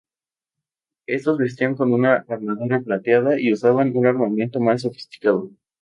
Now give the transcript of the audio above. Estos vestían con una armadura plateada y usaban un armamento más sofisticado.